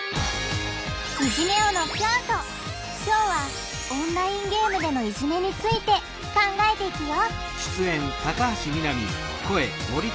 今日はオンラインゲームでのいじめについて考えていくよ！